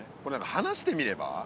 離してみれば？